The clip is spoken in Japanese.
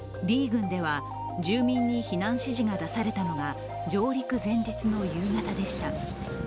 郡では住民に避難指示が出されたのが上陸前日の夕方でした。